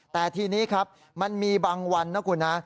แต่ทีนี้ครับมันมีบางวันนะคุณนะ